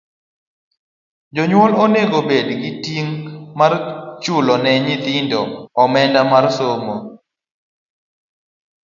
jonyuol onego bed gi ting' mar chulo ne nyithindo omenda mar somo.